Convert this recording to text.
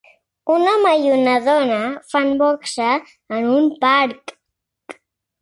Un home i una dona fan boxa en un parc.